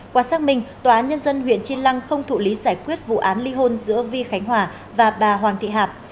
qua xác minh tòa án nhân dân huyện chi lăng không thụ lý giải quyết vụ án ly hôn giữa vi khánh hòa và bà hoàng thị hạp